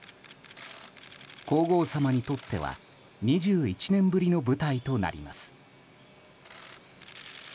皇后さまにとっては２１年ぶりの舞台となります。